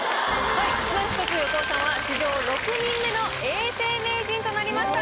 Ｋｉｓ−Ｍｙ−Ｆｔ２横尾さんは史上６人目の永世名人となりました。